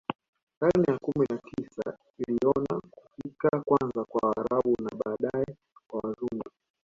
Karne ya kumi na tisa iliona kufika kwanza kwa Waarabu na baadae kwa Wazungu